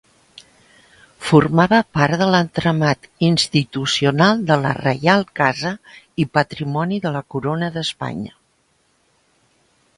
Formava part de l'entramat institucional de la Reial Casa i Patrimoni de la Corona d'Espanya.